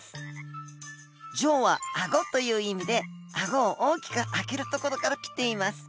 「ジョー」は「あご」という意味であごを大きく開けるところからきています。